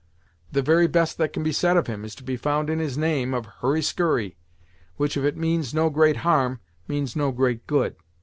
The very best that can be said of him, is to be found in his name of Hurry Skurry, which, if it means no great harm, means no great good.